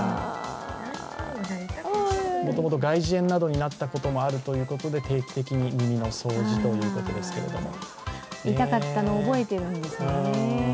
もともと外耳炎になったこともあるということで定期的に耳の掃除ということですけれども、痛かったの覚えてるんですね。